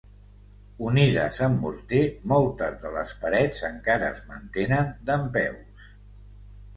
Unides amb morter, moltes de les parets encara es mantenen dempeus.